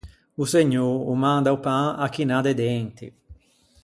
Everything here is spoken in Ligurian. O Segnô o manda o pan à chi n’à de denti.